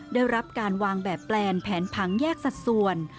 ได้รับการวางแบบแปลนแผนผังแยกสัดส่วน